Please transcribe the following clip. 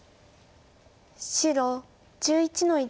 白１１の一。